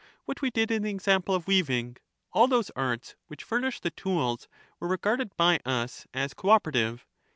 What we did in the example of weaving— all those arts which furnished the tools were regarded by us as co operative.